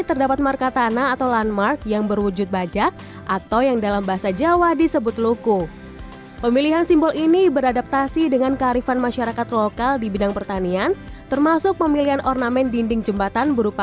jembatan yang menghubungkan antara desa trihargo dan desa parang tritis kecamatan kretek bantul